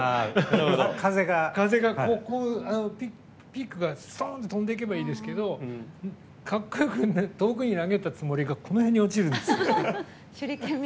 ピックがストーンって飛んでいけばいいですけどかっこよく遠くに投げたつもりが手前に落ちるんですよ。